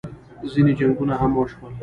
ځینې جنګونه هم وشول